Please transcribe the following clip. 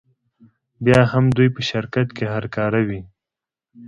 بیا هم دوی په شرکت کې هر کاره وي